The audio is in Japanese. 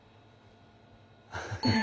ハハハハ。